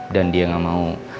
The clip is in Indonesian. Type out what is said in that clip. dan dia gak mau